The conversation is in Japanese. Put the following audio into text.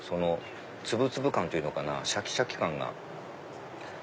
粒々感というのかなシャキシャキ感が。